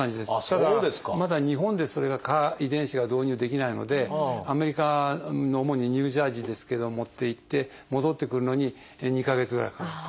ただまだ日本でそれがＣＡＲ遺伝子が導入できないのでアメリカの主にニュージャージーですけど持っていって戻ってくるのに２か月ぐらいかかると。